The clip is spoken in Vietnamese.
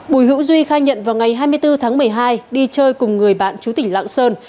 bùi hữu duy khai nhận vào ngày hai mươi bốn tháng một mươi hai đi chơi cùng người bạn chú tỉnh lạng sơn